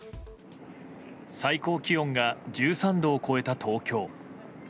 最高気温が１３度を超えた東京。